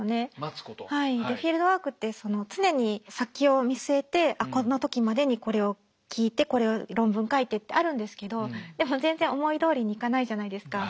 はいフィールドワークって常に先を見据えてこの時までにこれを聞いてこれを論文書いてってあるんですけどでも全然思いどおりにいかないじゃないですか。